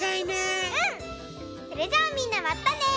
それじゃあみんなまたね！